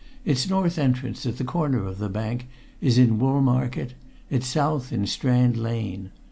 It's north entrance, at the corner of the bank, is in Woolmarket; its south in Strand Lane.